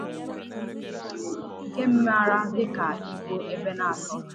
nke a maara dịka Ibo Ebenator